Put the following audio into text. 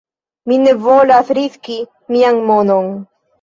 Mi ne volas riski mian monon